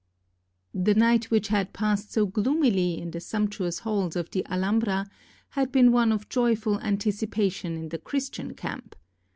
The night which had passed so gloomily in the sump tuous halls of the Alhambra, had been one of joyful anticipation in the Christian camp.